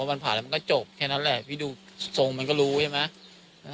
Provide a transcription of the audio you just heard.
วันผ่านแล้วมันก็จบแค่นั้นแหละพี่ดูทรงมันก็รู้ใช่ไหม